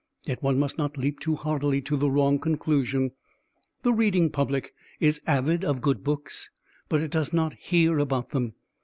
Yet one must not leap too heartily to the wrong conclusion. The reading public is avid of good books, but it does not hear about them.